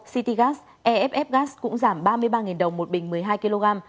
city gas eff gas cũng giảm ba mươi ba đồng một bình một mươi hai kg